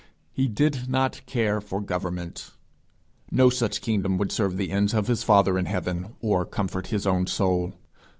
He did not care for government. No such kingdom would serve the ends of his father in heaven, or comfort his own soul.